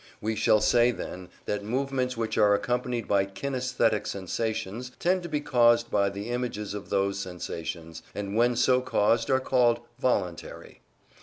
We shall say, then, that movements which are accompanied by kinaesthetic sensations tend to be caused by the images of those sensations, and when so caused are called VOLUNTARY.